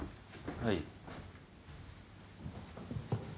はい。